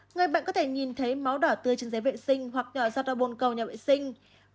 người bệnh có thể nhìn thấy máu đỏ tươi trên giấy vệ sinh hoặc nhỏ giọt đau bồn cầu nhà vệ sinh